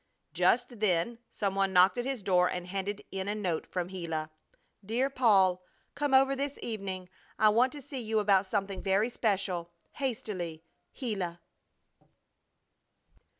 Just then some one knocked at his door and handed in a note from Gila. DEAR PAUL, Come over this evening, I want to see you about something very special. Hastily, GILA.